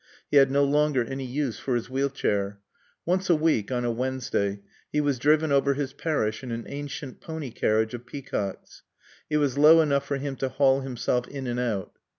He had no longer any use for his wheel chair. Once a week, on a Wednesday, he was driven over his parish in an ancient pony carriage of Peacock's. It was low enough for him to haul himself in and out.